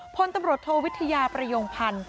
พลตำรวจโทวิทยาประโยงพันธ์